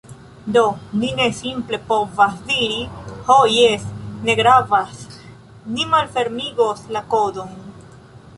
Do, ni ne simple povas diri, "Ho jes, ne gravas... ni malfermigos la kodon"